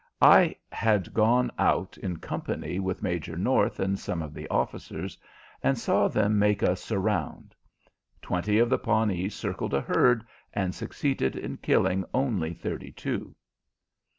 I had gone out in company with Major North and some of the officers, and saw them make a "surround." Twenty of the Pawnees circled a herd and succeeded in killing only thirty two.